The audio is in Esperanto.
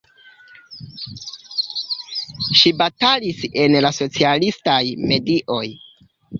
Ŝi batalis en la socialistaj medioj.